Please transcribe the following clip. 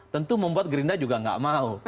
tentu membuat gerindra juga nggak mau